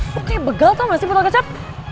lo kayak begal tau ga sih botol kecap